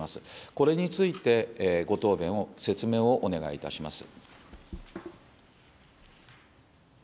これについて、ご答弁を、説明をお願いいたします。